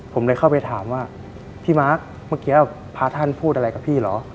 ผมเลยเข้าไปถามว่าพี่มาร์คเมื่อกี้พระท่านพูดอะไรกับพี่เหรอ